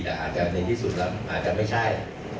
แต่ในที่สุดอาจจะไม่ใช่